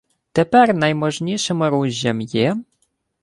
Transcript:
— Тепер найможнішим оружжям є...